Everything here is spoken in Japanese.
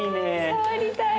触りたい。